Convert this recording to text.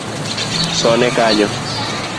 Sone kanyo